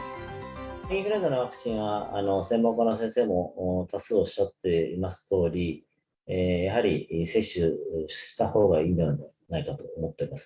インフルエンザのワクチンは専門家の先生も多数おっしゃっていますとおり、やはり接種したほうがいいんじゃないかと思っております。